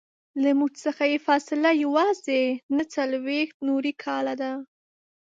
له موږ څخه یې فاصله یوازې نهه څلویښت نوري کاله ده.